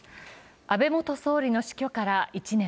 安倍元総理の死去から１年。